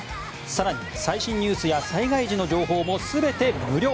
更に、最新ニュースや災害時の情報も全て無料。